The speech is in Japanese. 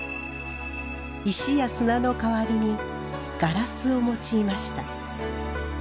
石や砂の代わりにガラスを用いました。